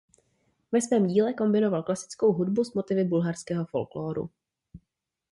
Ve svém díle kombinoval klasickou hudbu s motivy bulharského folklóru.